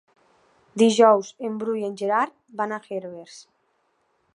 Dijous en Bru i en Gerard van a Herbers.